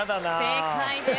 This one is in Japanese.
正解です。